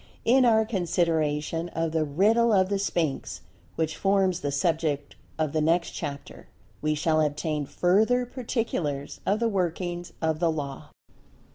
In our consideration of "The Riddle of the Sphinx," which forms the subject of the next chapter, we shall obtain further particulars of the workings of the Law.